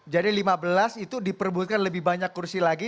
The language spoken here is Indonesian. jadi lima belas itu diperbutkan lebih banyak kursi lagi